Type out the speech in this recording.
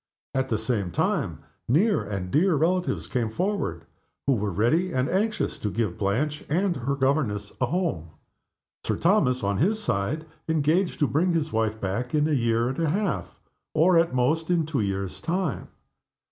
At the same time, near and dear relatives came forward, who were ready and anxious to give Blanche and her governess a home Sir Thomas, on his side, engaging to bring his wife back in a year and a half, or, at most, in two years' time.